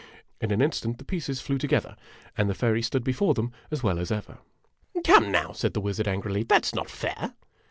In an instant the pieces flew to gether, and the fairy stood before them as well as ever. "Come now," said the wizard, angrily, "that's not fair!"